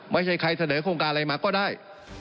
ไม่ใช่ใครเสนอโครงการอะไรมาก็ได้